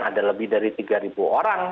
ada lebih dari tiga orang